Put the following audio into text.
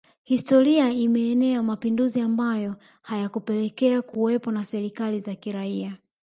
Historia imeenea mapinduzi ambayo hayakupelekea kuwepo na serikali za kiraia